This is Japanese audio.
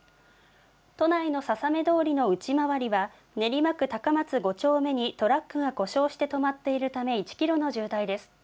都内のささめ通りの内回りは練馬区高松５丁目にトラックが故障して止まっているため１キロの渋滞です。